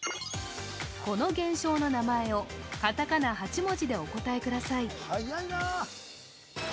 この現象の名前をカタカナ８文字でお答えください。